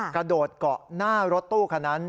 กระโดดเกาะหน้ารถตู้คันนั้น